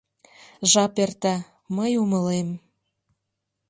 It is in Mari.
Жап эрта, мый умылем: